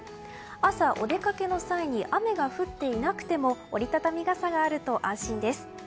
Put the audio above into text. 朝、お出かけの際に雨が降っていなくても折り畳み傘があると安心です。